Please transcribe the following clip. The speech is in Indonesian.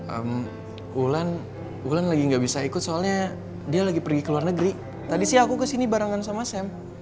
kebetulan lagi nggak bisa ikut soalnya dia lagi pergi ke luar negeri tadi sih aku kesini barengan sama sam